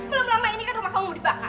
belum lama ini kan rumah kamu dibakar